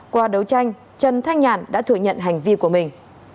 qua đấu tranh trần thanh nhàn đã thừa nhận hành vi của mình